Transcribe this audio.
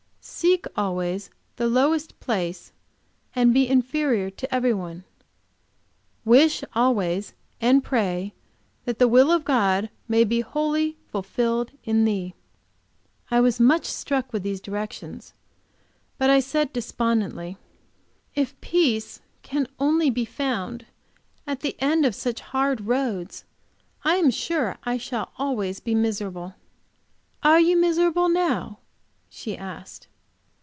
"Seek always the lowest place, and to be inferior to every one." "Wish always, and pray, that the will of God may be wholly fulfilled in thee." I was much struck with these directions; but I said, despondently: "If peace can only be found at the end of such hard roads, I am sure I shall always be miserable." "Are you miserable now?" she asked.